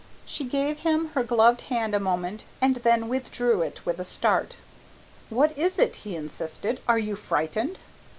She gave him her gloved hand a moment and then withdrew it with a start. "What is it?" he insisted. "Are you frightened?"